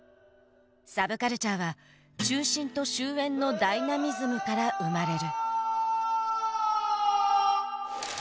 サブカルチャーは中心と周縁のダイナミズムから生まれる。